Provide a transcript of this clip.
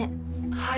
「はい。